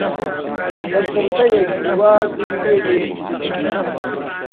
بە سرتەیەکی وا کە گوێی لێ بێ گوتم: